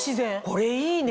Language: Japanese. これいいね。